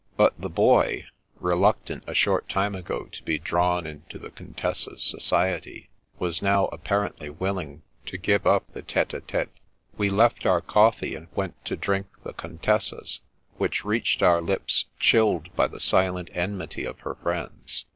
But the Boy, reluctant a short time ago to be drawn into the Contessa's society, was now apparently willing to give up the tete a tete. We left our coffee, and went to drink the Con tessa's, which reached our lips chilled by the silent enmity of her friends.